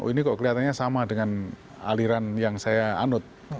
ini kok kelihatannya sama dengan aliran yang saya anut